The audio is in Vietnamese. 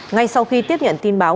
ngay sau khi tiếp nhận tin báo